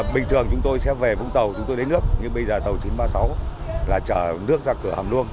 bình thường chúng tôi sẽ về vùng tàu chúng tôi đến nước nhưng bây giờ tàu chín trăm ba mươi sáu là trở nước ra cửa hầm luôn